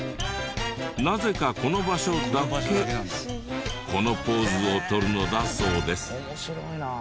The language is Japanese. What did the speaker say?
なぜかこの場所だけこのポーズを取るのだそうです。